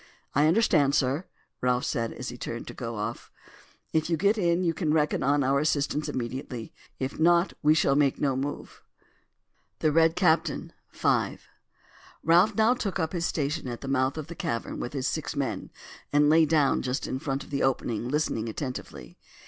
"I understand, sir," Ralph said as he turned to go off. "If you get in you can reckon on our assistance immediately; if not, we shall make no move." THE RED CAPTAIN.—V. Ralph now took up his station at the mouth of the cavern with his six men, and lay down just in front of the opening listening attentively.